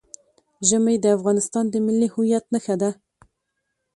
ژمی د افغانستان د ملي هویت نښه ده.